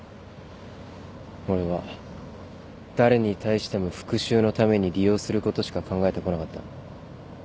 俺は誰に対しても復讐のために利用することしか考えてこなかった。